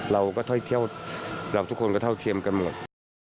เราก็ท่องเที่ยวเราทุกคนก็เท่าเทียมกันหมด